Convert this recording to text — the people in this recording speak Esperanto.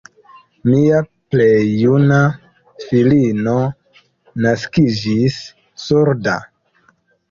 Mia plej juna filino naskiĝis surda.